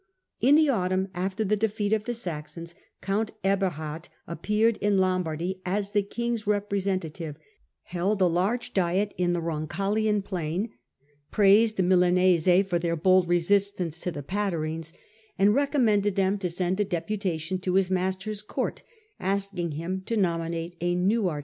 In the autumn, after the defeat of the Saxons, count Eberhard appeared in Lombardy as the king's representative, held a large diet in the Roncaglian plain, praised the Milanese for their bold resistance to the Pataiines, and recommended them to send a deputation to his master's court, asking him to nominate a new archbishop.